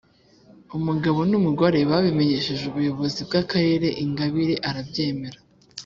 umugabo n’umugore babimenyesheje ubuyobozi bw’akarere; ingabire arabyemera.